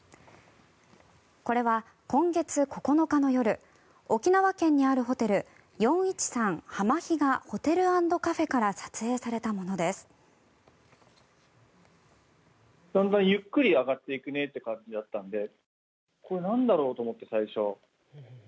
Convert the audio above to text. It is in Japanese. これは今月９日の夜沖縄県にあるホテル４１３はまひがＨＯＴＥＬ＆ＣＡＦＥから撮影されたものです。